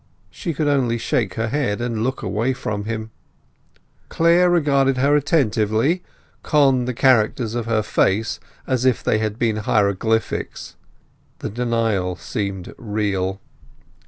She could only shake her head and look away from him. Clare regarded her attentively, conned the characters of her face as if they had been hieroglyphics. The denial seemed real.